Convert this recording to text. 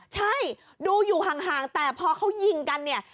ใช่ดูอยู่ห่างแต่พอเขายิงกันเนี่ย